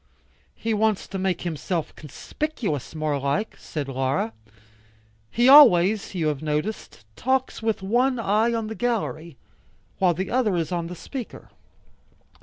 "He wants to make himself conspicuous more like," said Laura. "He always, you have noticed, talks with one eye on the gallery, while the other is on the speaker."